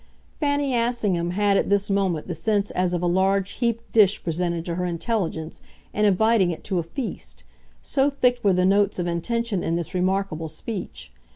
Fanny Assingham had at this moment the sense as of a large heaped dish presented to her intelligence and inviting it to a feast so thick were the notes of intention in this remarkable speech.